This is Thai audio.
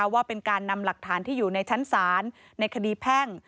ว่าเป็นการนำหลักฐานที่อยู่ในชั้นศาลในคดีแพ่ง